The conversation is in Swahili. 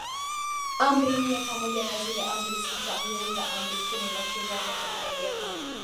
Amri nne pamoja na zile Amri sita huunda Amri kumi na sheria zote zimejengwa